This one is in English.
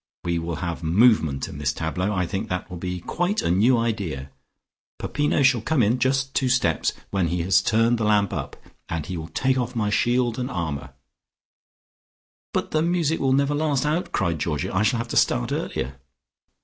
We will have movement in this tableau; I think that will be quite a new idea. Peppino shall come in just two steps when he has turned the lamp up, and he will take off my shield and armour " "But the music will never last out," cried Georgie. "I shall have to start earlier."